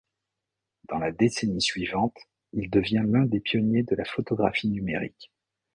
Dans la décennie suivante, il devient l'un des pionniers de la photographie numérique.